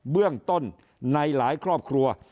เบื้องต้นในหลายครอบครัว